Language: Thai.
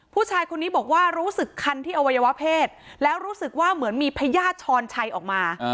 ผู้ชายคนนี้บอกว่ารู้สึกคันที่อวัยวะเพศแล้วรู้สึกว่าเหมือนมีพญาติช้อนชัยออกมา